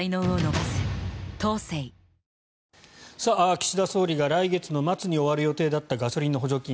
岸田総理が来月の末に終わる予定だったガソリンの補助金